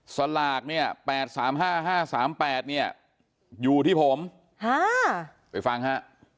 สลากเนี่ย๘๓๕๕๓๘เนี่ยอยู่ที่ผมไปฟังฮะ